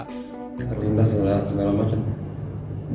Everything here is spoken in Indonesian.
dia terlindah segala macam